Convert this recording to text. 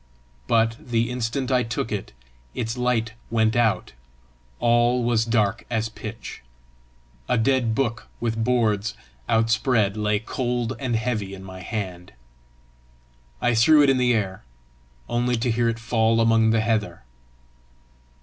But the instant I took it, its light went out; all was dark as pitch; a dead book with boards outspread lay cold and heavy in my hand. I threw it in the air only to hear it fall among the heather.